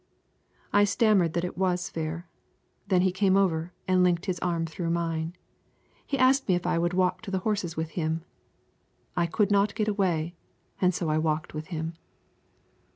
I stammered that it was fair. Then he came over and linked his arm through mine. He asked me if I would walk to the horses with him. I could not get away, and so I walked with him.